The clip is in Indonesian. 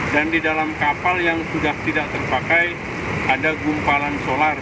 dan di dalam kapal yang sudah tidak terpakai ada gumpalan solar